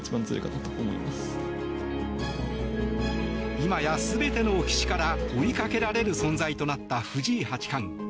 今や、全ての棋士から追いかけられる存在となった藤井八冠。